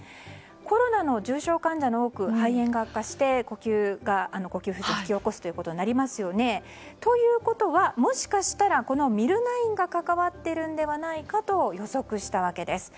コロナの重症患者の多くは肺炎が悪化して呼吸不全を引き起こすということになりますよね。ということは、もしかしたらこのミルナインが関わっているんではないかと予測したわけです。